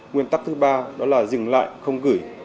nguyên tắc thứ ba đó là dừng lại không gửi